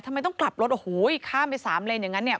ทำไมต้องกลับรถโอ้โหข้ามไปสามเลนอย่างนั้นเนี่ย